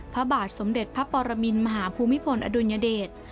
พระบาทสมเด็จพระปรมินมหาภูมิพลอดุลยเดช